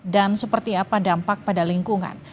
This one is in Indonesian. dan seperti apa dampak pada lingkungan